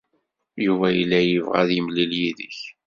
Yuba yella yebɣa ad yemlil yid-k.